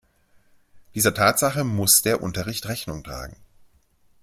Dieser Tatsache muss der Unterricht Rechnung tragen.